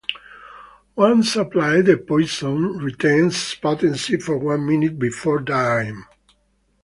Once applied, the poison retains potency for one minute before drying.